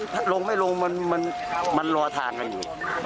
ถ้าลงไม่ลงมันรอทางกันอยู่